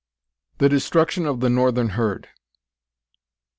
_The Destruction of the Northern Herd.